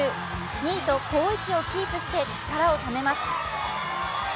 ２位と好位置をキープして力をためます。